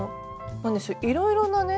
いろいろなね